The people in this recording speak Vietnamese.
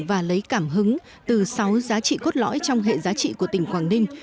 và lấy cảm hứng từ sáu giá trị cốt lõi trong hệ giá trị của tỉnh quảng ninh